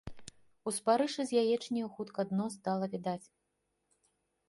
У спарышы з яечняю хутка дно стала відаць.